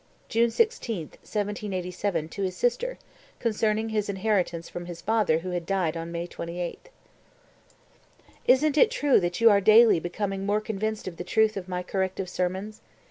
(June 16, 1787, to his sister, concerning his inheritance from his father who had died on May 28.) 241. "Isn't it true that you are daily becoming more convinced of the truth of my corrective sermons?